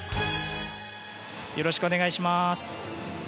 よろしくお願いします。